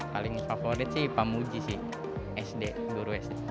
paling favorit sih pak muji sih sd guru sd